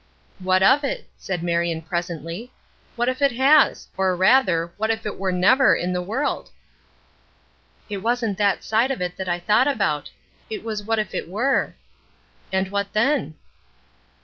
"What of it?" said Marion, presently. "What if it has? or, rather, what if it were never in the world?" "It wasn't that side of it that I thought about. It was what if it were." "And what then?"